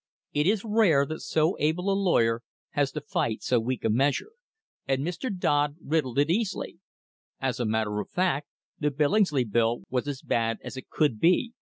It is rare that so able a lawyer has to fight so weak a measure, and Mr. Dodd riddled it easily. As a matter of fact the Billingsley Bill was as bad as it could be.